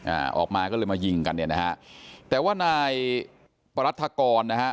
อ่าออกมาก็เลยมายิงกันเนี่ยนะฮะแต่ว่านายปรัฐกรนะฮะ